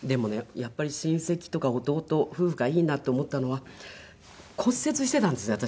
やっぱり親戚とか弟夫婦がいいなと思ったのは骨折していたんですね私。